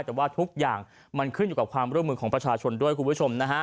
แต่ว่าทุกอย่างมันขึ้นอยู่กับความร่วมมือของประชาชนด้วยคุณผู้ชมนะฮะ